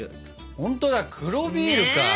ほんとだ黒ビールか。ね。